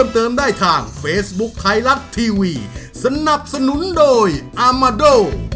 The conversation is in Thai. ที่อามด์โด